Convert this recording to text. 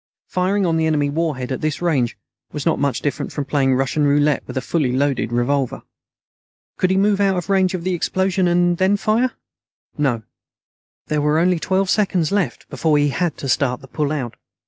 Firing on the enemy warhead at this range was not much different from playing Russian Roulette with a fully loaded revolver. Could he move out of range of the explosion and then fire? No. There were only twelve seconds left before he had to start the pull out.